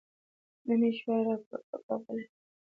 نه مې شوای راپورته کولی.